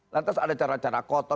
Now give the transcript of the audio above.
lantas ada cara cara kotor